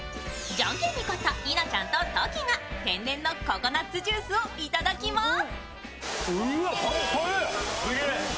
じゃんけんに勝った稲ちゃんとトキが天然のココナッツジュースをいただきます。